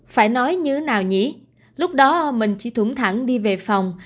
phải nói như nào nhỉ lúc đó mình chỉ thủng thẳng đi về phòng